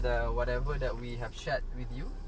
ฉันหวังว่าทุกอย่างที่เราบอกกับคุณ